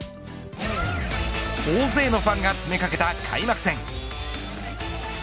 大勢のファンが詰めかけた開幕戦。